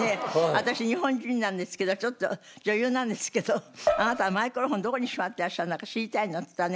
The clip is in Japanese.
「私日本人なんですけどちょっと女優なんですけどあなたはマイクロホンどこにしまってらっしゃるのか知りたいの」って言ったらね